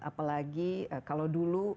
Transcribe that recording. apalagi kalau dulu non profit